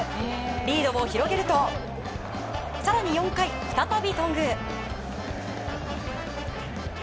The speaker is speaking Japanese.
リードを広げると更に４回、再び頓宮。